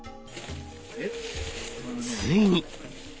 ついに。